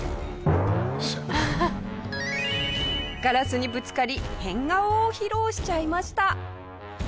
ガラスにぶつかり変顔を披露しちゃいました。